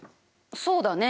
そうだね。